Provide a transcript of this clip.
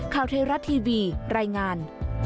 คาวเทราทีวีรายงาน